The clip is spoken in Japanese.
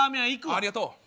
ありがとう。